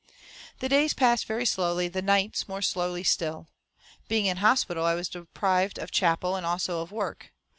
The days passed very slowly, the nights more slowly still. Being in hospital, I was deprived of chapel, and also of work.